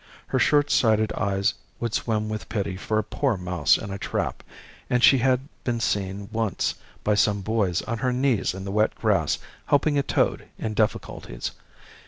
Her short sighted eyes would swim with pity for a poor mouse in a trap, and she had been seen once by some boys on her knees in the wet grass helping a toad in difficulties.